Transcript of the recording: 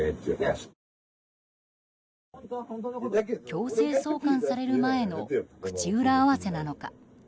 強制送還される前の口裏合わせなのか。